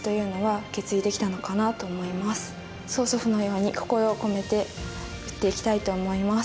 曽祖父のように心を込めて打っていきたいと思います。